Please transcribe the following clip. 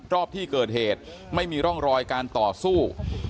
รอบที่เกิดเหตุไม่มีร่องรอยการต่อสู้